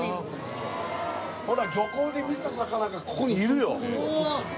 漁港で見た魚がここにいるよ。